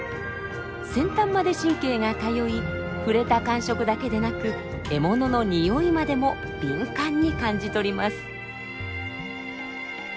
先端まで神経が通い触れた感触だけでなく獲物の匂いまでも敏感に感じ取ります。